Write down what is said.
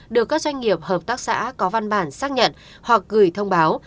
được các doanh nghiệp hợp tác xã có văn bản xác nhận hoặc gửi thông báo